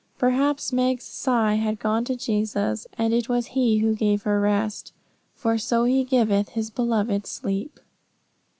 Perhaps Meg's sigh had gone to Jesus, and it was He who gave her rest; 'for so He giveth His beloved sleep.'